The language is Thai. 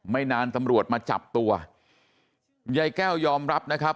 ไม่นานตำรวจมาจับตัวยายแก้วยอมรับนะครับ